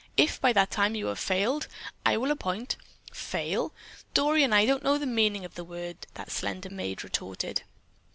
If, by that time, you have failed, I will appoint——" "Fail? Dory and I don't know the meaning of the word." that slender maid retorted.